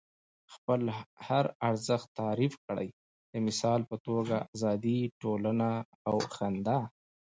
خپل هر ارزښت تعریف کړئ. د مثال په توګه ازادي، ټولنه او خندا.